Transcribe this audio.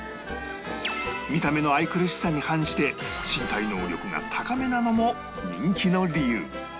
見た目の愛くるしさに反して身体能力が高めなのも人気の理由